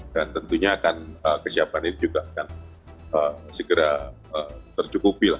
dan tentunya akan kesiapan ini juga akan segera tercukupi